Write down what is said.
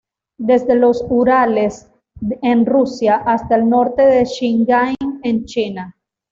Desde los Urales en Rusia hasta el norte de Xinjiang en China.